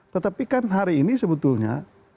tetapi kan hari ini sebetulnya